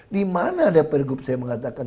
di mana ada pergub saya mengatakan